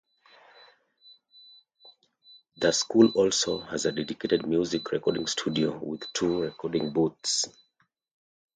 The school also has a dedicated music recording studio with two recording booths.